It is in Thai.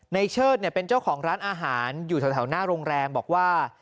เชิดเป็นเจ้าของร้านอาหารอยู่แถวหน้าโรงแรมบอกว่า